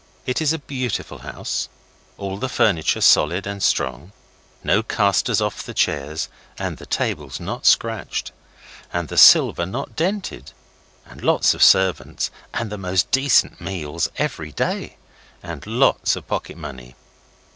It is a beautiful house, all the furniture solid and strong, no casters off the chairs, and the tables not scratched, and the silver not dented; and lots of servants, and the most decent meals every day and lots of pocket money.